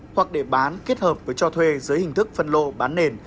hoặc để bán kết hợp với cho thuê dưới hình thức phân lô bán nền